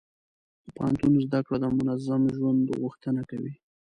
د پوهنتون زده کړه د منظم ژوند غوښتنه کوي.